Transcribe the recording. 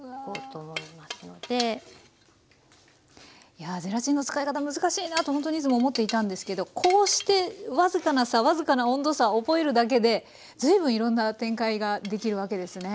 いやゼラチンの使い方難しいなとほんとにいつも思っていたんですけどこうして僅かな差僅かな温度差覚えるだけで随分いろんな展開ができるわけですね。